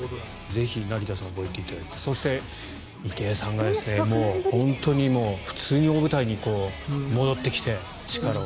ぜひ成田さん覚えていただいてそして池江さんがもう本当に普通に大舞台に戻ってきて力を。